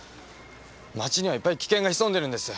街にはいっぱい危険が潜んでるんです！